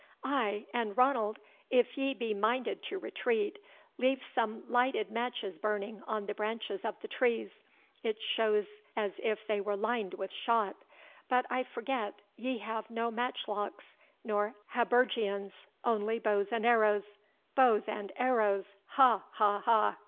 Ay, and, Ranald, if ye be minded to retreat, leave some lighted matches burning on the branches of the trees it shows as if they were lined with shot But I forget ye have no match locks nor habergeons only bows and arrows bows and arrows! ha! ha! ha!"